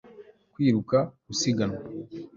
kwiruka, gusiganwa